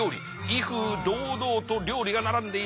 威風堂々と料理が並んでいます。